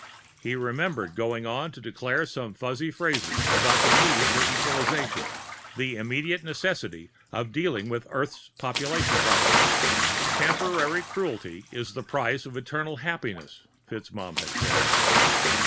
_ He remembered going on to declare some fuzzy phrases about the need for equalization, the immediate necessity for dealing with Earth's population problem. Temporary cruelty is the price of eternal happiness, FitzMaugham had said.